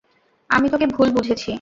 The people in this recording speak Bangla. আমি তোকে ভুল বুঝেছি।